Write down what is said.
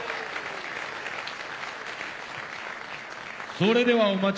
それではお待ち